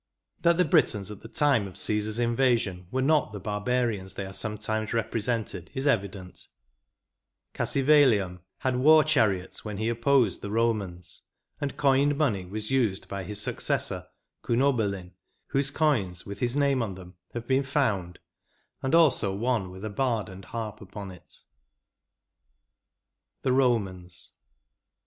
That the Britons at the time of Csesar's inva sion were not the barbarians they are sometimes represented, is evident; Cassivellaum had war chariots when he opposed the Eomans; and coined money was used by his successor Cuno belin, whose coins, with his name on them, have been found, and also one with a bard and harp upon it. IV. THE ROMANS.